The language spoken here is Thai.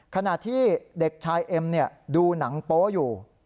ขณะที่เด็กชายเอ็มดูหนังโป๊อยู่